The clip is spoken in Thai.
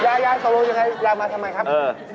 ยายตรงนี้ยังไงยายมาทำไมครับเออ